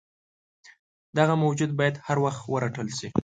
دغه موجود باید هروخت ورټل شي.